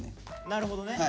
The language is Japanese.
なるほどね。